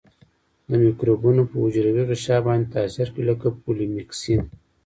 د مکروبونو په حجروي غشا باندې تاثیر کوي لکه پولیمیکسین.